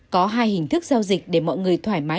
có hai hình thức giao dịch để mọi người thoải mái